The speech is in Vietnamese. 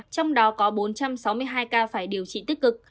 trong đó có bốn trăm sáu mươi hai ca phải điều trị tích cực